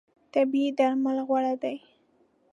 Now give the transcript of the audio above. طبیعي درمل غوره دي.